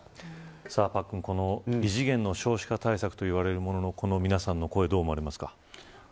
異次元の少子化対策といわれるものの皆さんのこの声、どう思われますか。